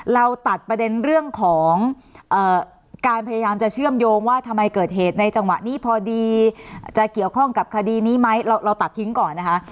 เราตัดประเด็นเรื่องของการพยายามจะเชื่อมโยงว่าทำไมเกิดเหตุในจังหวะนี้พอดีจะเกี่ยวข้องกับคดีนี้ไหมเราตัดทิ้งก่อนนะคะ